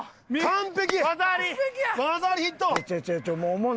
完璧。